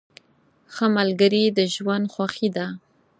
ښه ملګري د ژوند خوښي ده.